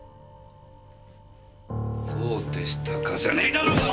そうでしたかじゃねえだろうが！